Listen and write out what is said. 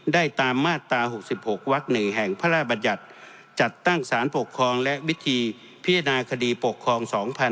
ได้ตามมาตรา๖๖วัก๑แห่งพระราชบัญญัติจัดตั้งสารปกครองและวิธีพิจารณาคดีปกครอง๒๕๖๒